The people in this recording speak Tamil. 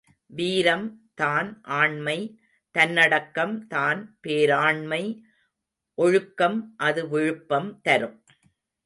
வீரம் தான் ஆண்மை தன்னடக்கம் தான் பேராண்மை, ஒழுக்கம் அது விழுப்பம் தரும்.